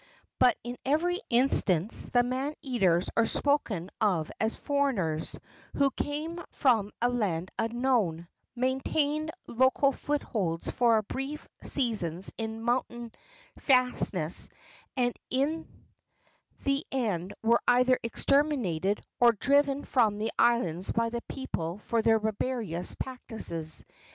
But in every instance the man eaters are spoken of as foreigners, who came from a land unknown, maintained local footholds for brief seasons in mountain fastnesses, and in the end were either exterminated or driven from the islands by the people for their barbarous practices.